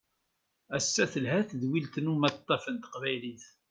Ass-a telha tedwilt n umaṭṭaf n taqbaylit.